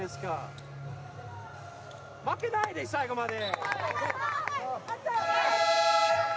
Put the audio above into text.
負けないで、最後まで！